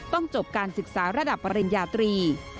จบการศึกษาระดับปริญญาตรี